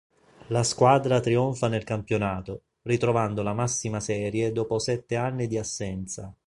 La squadra trionfa nel campionato, ritrovando la massima serie dopo sette anni di assenza.